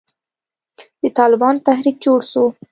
د طالبانو تحريک جوړ سو.